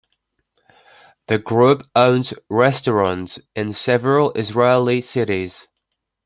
The group owns restaurants in several Israeli cities.